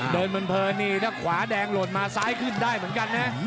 เพลินนี่ถ้าขวาแดงหล่นมาซ้ายขึ้นได้เหมือนกันนะ